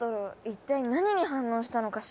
一体何に反応したのかしら？